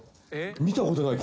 「見たことない。